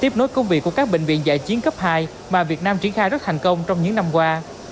tiếp nối công việc của các bệnh viện giã chiến cấp hai mà việt nam triển khai rất thành công trong những năm qua